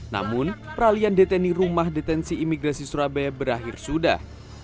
namun peralian deteni rumah detensi imigrasi surabaya berakhir sudah